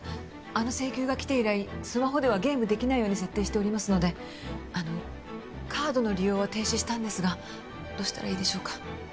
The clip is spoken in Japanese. あの請求が来て以来スマホではゲームできないように設定しておりますのであのカードの利用は停止したんですがどうしたらいいでしょうか？